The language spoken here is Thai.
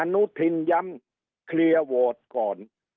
อนุทินย้ำเคลียร์โหวตก่อน